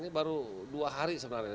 ini baru dua hari sebenarnya